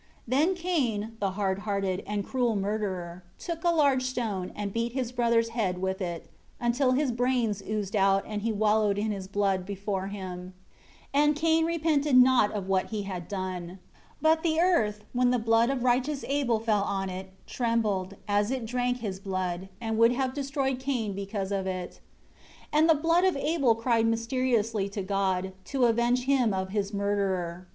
7 Then Cain, the hard hearted, and cruel murderer, took a large stone, and beat his brother's head with it, until his brains oozed out, and he wallowed in his blood, before him. 8 And Cain repented not of what he had done. 9 But the earth, when the blood of righteous Abel fell on it, trembled, as it drank his blood, and would have destroyed Cain because of it. 10 And the blood of Abel cried mysteriously to God, to avenge him of his murderer.